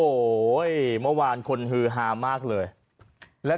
โอ้โหเมื่อวานคนฮือฮาห์มากเลย